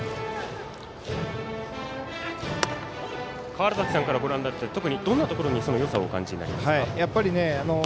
川原崎さんからご覧になって、特にどんなところからよさをお感じになりますか？